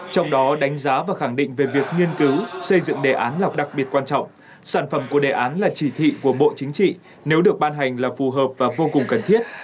trong đó đánh giá và khẳng định về việc nghiên cứu xây dựng đề án lọc đặc biệt quan trọng sản phẩm của đề án là chỉ thị của bộ chính trị nếu được ban hành là phù hợp và vô cùng cần thiết